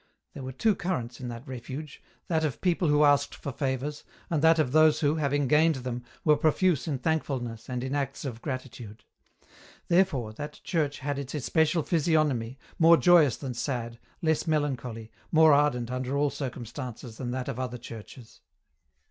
There were two currents in that refuge, that of people who asked for favours, and that of those who, having gained them, were profuse in thankfulness EN ROUTE. "jy and in acts of gratitude. Therefore, that church had its especial physiognony, more joyous than sad, less melancholy, more ardent under all circumstances than that of other churches.